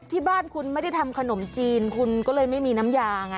ที่บ้านคุณไม่ได้ทำขนมจีนคุณก็เลยไม่มีน้ำยาไง